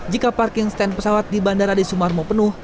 jika parking stand pesawat di bandara adi sumarmo penuh